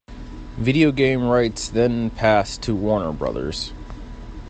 Video game rights then passed to Warner Brothers.